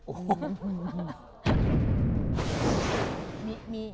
โอ้โห